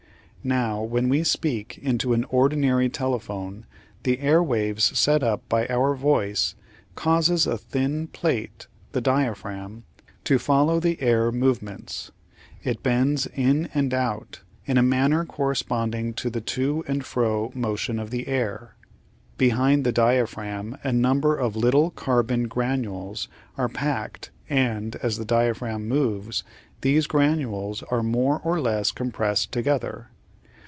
Now when we speak into an ordinary telephone the air waves set up by our voice causes a thin plate the diaphragm to follow the air movements ; it bends in and out in a manner corresponding to the to and fro motion of the air. Behind the diaphragm a number of little carbon granules are packed and, as the diaphragm moves, these granules are more or less compressed together.